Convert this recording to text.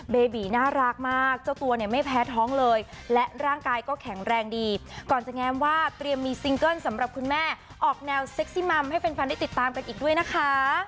เบบีน่ารักมากเจ้าตัวเนี่ยไม่แพ้ท้องเลยและร่างกายก็แข็งแรงดีก่อนจะแง้มว่าเตรียมมีซิงเกิ้ลสำหรับคุณแม่ออกแนวเซ็กซี่มัมให้แฟนได้ติดตามกันอีกด้วยนะคะ